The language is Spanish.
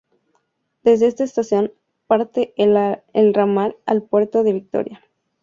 Desde esta estación parte el ramal al puerto de Victoria.